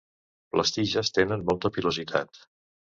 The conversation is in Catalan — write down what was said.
Les tiges tenen molta pilositat.